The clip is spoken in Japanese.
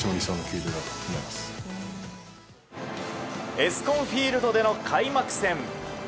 エスコンフィールドでの開幕戦。